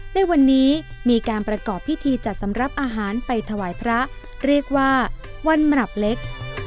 ในวันนี้มีการประกอบพิธีจัดสำหรับอาหารไปถวายพระเรียกว่าวันหมับเล็ก